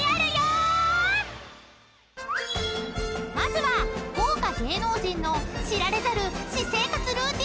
［まずは豪華芸能人の知られざる］